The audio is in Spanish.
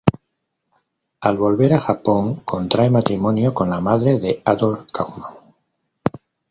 Al volver a Japón contrae matrimonio con la madre de Adolf Kaufmann.